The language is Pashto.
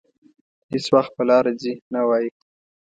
هېڅ وخت په لاره ځي نه وايي.